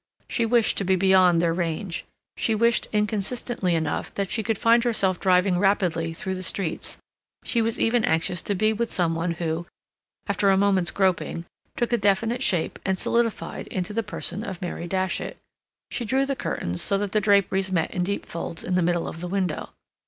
She wished to be beyond their range. She wished inconsistently enough that she could find herself driving rapidly through the streets; she was even anxious to be with some one who, after a moment's groping, took a definite shape and solidified into the person of Mary Datchet. She drew the curtains so that the draperies met in deep folds in the middle of the window.